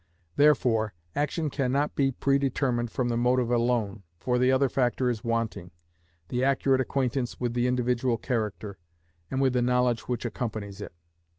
Therefore action cannot be predetermined from the motive alone, for the other factor is wanting, the accurate acquaintance with the individual character, and with the knowledge which accompanies it.